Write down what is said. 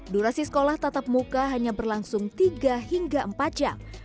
durasi sekolah tatap muka hanya berlangsung tiga hingga empat jam